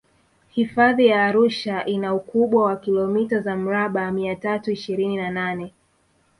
hifadhi ya arusha ina ukubwa wa kilomita za mraba mia tatu ishirini na nane